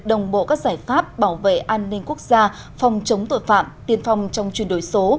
đồng bộ các giải pháp bảo vệ an ninh quốc gia phòng chống tội phạm tiên phòng trong chuyển đổi số